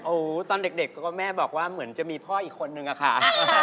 โอ้โหตอนเด็กก็แม่บอกว่าเหมือนจะมีพ่ออีกคนนึงอะค่ะ